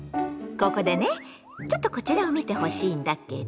ここでねちょっとこちらを見てほしいんだけど。